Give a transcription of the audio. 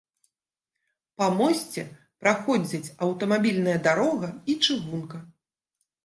Па мосце праходзяць аўтамабільная дарога і чыгунка.